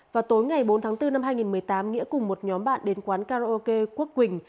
vào tối ngày bốn tháng bốn năm hai nghìn một mươi tám nghĩa cùng một nhóm bạn đến quán karaoke quốc quỳnh